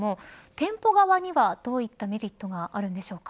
店舗側には、どういったメリットがあるんでしょうか。